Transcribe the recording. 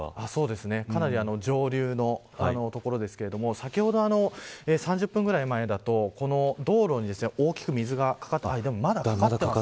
かなり上流の所ですけど先ほど３０分ぐらい前だとこの道路に大きく水がかかっていました。